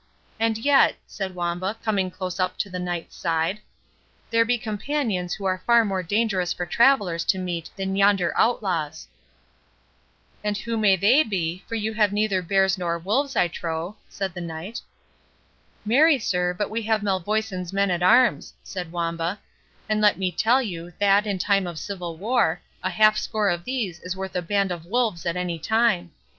—And yet," said Wamba, coming close up to the Knight's side, "there be companions who are far more dangerous for travellers to meet than yonder outlaws." "And who may they be, for you have neither bears nor wolves, I trow?" said the Knight. "Marry, sir, but we have Malvoisin's men at arms," said Wamba; "and let me tell you, that, in time of civil war, a halfscore of these is worth a band of wolves at any time.